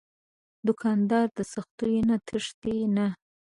دوکاندار د سختیو نه تښتي نه.